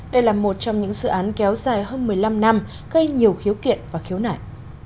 đây là một trong những dự án kéo dài hơn một mươi năm năm gây nhiều khiếu kiện và khiếu nại